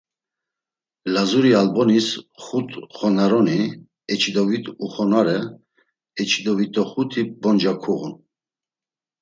Lazuri albonis, xut xonaroni, eçidovit uxonare, eçidovitoxuti bonca kuğun.